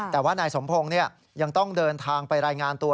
แต่ว่านายสมพงศ์ยังต้องเดินทางไปรายงานตัว